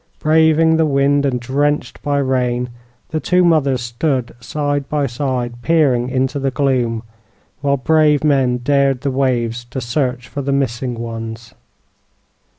Braving the wind and drenched by rain, the two mothers stood side by side, peering into the gloom, while brave men dared the waves to search for the missing ones.